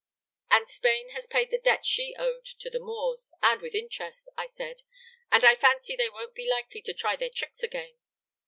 "'And Spain has paid the debt she owed to the Moors, and with interest,' I said; and I fancy they won't be likely to try their tricks again.